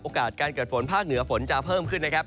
การเกิดฝนภาคเหนือฝนจะเพิ่มขึ้นนะครับ